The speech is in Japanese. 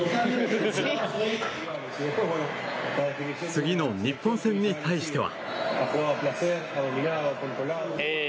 次の日本戦に対しては。